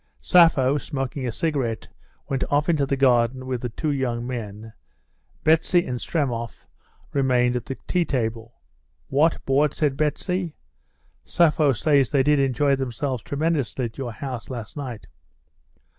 Sappho smoking a cigarette went off into the garden with the two young men. Betsy and Stremov remained at the tea table. "What, bored!" said Betsy. "Sappho says they did enjoy themselves tremendously at your house last night."